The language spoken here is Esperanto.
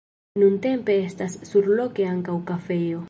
Nuntempe estas surloke ankaŭ kafejo.